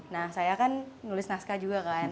nah saya kan nulis naskah juga kan